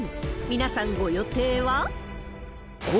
皆さん、ご予定は？